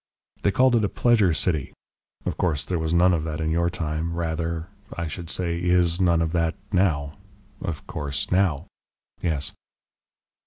They called it a pleasure city. Of course, there was none of that in your time rather, I should say, IS none of that NOW. Of course. Now! yes.